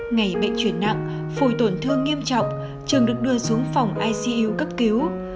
ngày bệnh chuyển nặng phùi tổn thương nghiêm trọng trường được đưa xuống phòng icu cấp cứu